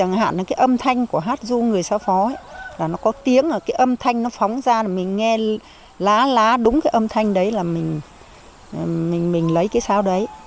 ví dụ hát du chẳng hạn cái âm thanh của hát du người xa phó là nó có tiếng cái âm thanh nó phóng ra mình nghe lá lá đúng cái âm thanh đấy là mình lấy kẹ sáo đấy